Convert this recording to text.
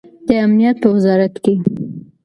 د امنیت په وزارت کې